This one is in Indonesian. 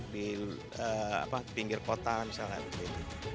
di pinggir kota misalnya